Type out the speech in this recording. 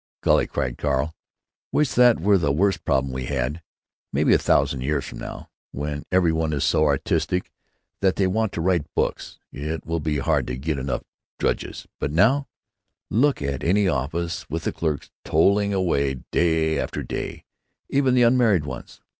"Golly!" cried Carl, "wish that were the worst problem we had! Maybe a thousand years from now, when every one is so artistic that they want to write books, it will be hard to get enough drudges. But now—— Look at any office, with the clerks toiling day after day, even the unmarried ones.